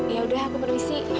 yaudah aku permisi